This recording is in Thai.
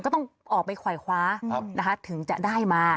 ก็ต้องออกไปขวายคว้าถึงจะได้มา